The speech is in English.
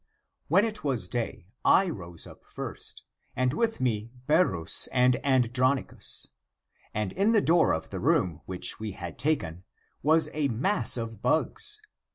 When it was day, I rose up first, and with me Berus and Andronicus. And in the door of the room which we had taken, was a mass of bugs.